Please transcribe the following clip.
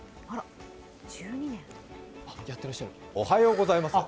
おはようございます。